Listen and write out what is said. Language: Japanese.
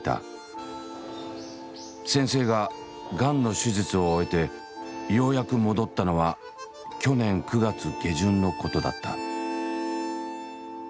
先生ががんの手術を終えてようやく戻ったのは去年９月下旬のことだった。